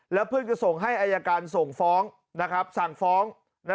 แล้วเพื่อนก็ส่งให้อายการส่งฟ้องสั่งฟ้อง